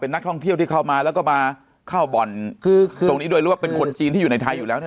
นักท่องเที่ยวที่เข้ามาแล้วก็มาเข้าบ่อนคือตรงนี้โดยรู้ว่าเป็นคนจีนที่อยู่ในไทยอยู่แล้วเนี่ย